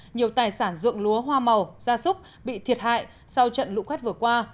nhiều tài sản dụng lúa hoa màu gia súc bị thiệt hại sau trận lũ quét vừa qua